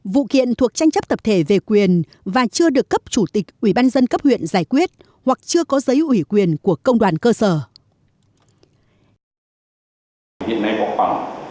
vụ kiện thuộc tranh chấp tập thể về quyền và chưa được cấp chủ tịch ủy ban dân cấp huyện giải quyết hoặc chưa có giấy ủy quyền của công đoàn cơ sở